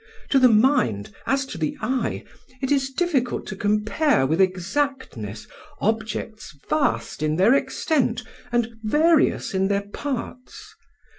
To the mind, as to the eye, it is difficult to compare with exactness objects vast in their extent and various in their parts.